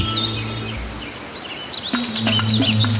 เรือสายปลูกแก้มมัน